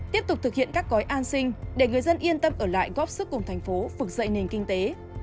tiếp tục thực hiện các cõi an sinh để người dân yên tâm ở lại góp sức cùng tp hcm phục dậy nền kinh tế